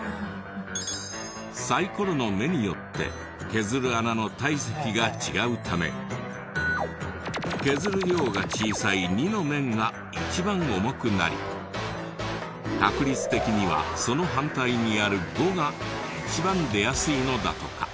サイコロの目によって削る穴の体積が違うため削る量が小さい２の面が一番重くなり確率的にはその反対にある５が一番出やすいのだとか。